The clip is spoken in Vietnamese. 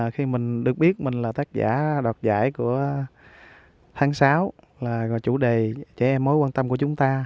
tôi biết mình là tác giả đoạt giải của tháng sáu là chủ đề trẻ em mối quan tâm của chúng ta